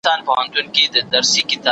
عمر وویل چې دا ډیر لوی عمل دی.